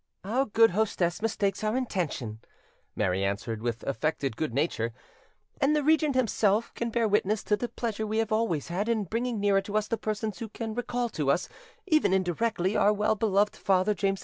"Our good hostess mistakes our intention," Mary answered, with affected good nature; "and the regent himself can bear witness to the pleasure we have always had in bringing nearer to us the persons who can recall to us, even indirectly, our well beloved father, James V.